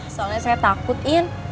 soalnya saya takut in